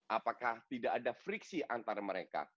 apakah tidak ada friksi antar mereka